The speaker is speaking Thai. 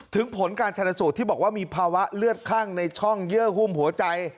ผลการชนสูตรที่บอกว่ามีภาวะเลือดคั่งในช่องเยื่อหุ้มหัวใจ